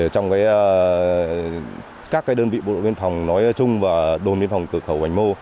trong các đơn vị bộ đội biên phòng nói chung và đồn biên phòng cửa khẩu hoành mô